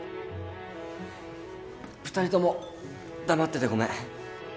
２人とも黙っててごめん。